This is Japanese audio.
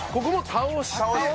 倒して。